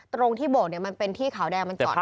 ตรงที่บวกเนี่ยมันเป็นที่ขาวแดงมันจอดไม่ได้